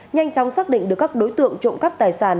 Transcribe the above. nhanh chóng xác định được các đối tượng trộm cắp tài sản